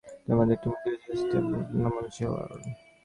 তার মধ্যে একটি মূর্তি হচ্ছে ষ্ট্রাসবুর্গ নামক জেলার।